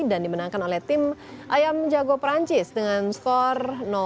dan dimenangkan oleh tim ayam jago perancis dengan skor satu